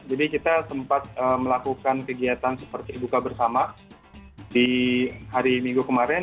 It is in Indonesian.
jadi kita sempat melakukan kegiatan seperti buka bersama di hari minggu kemarin